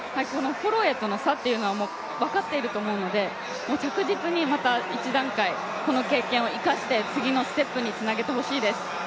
ホロウェイとの差というのは分かっていると思うので着実にまた一段階、この経験を生かして次のステップにつなげてほしいです。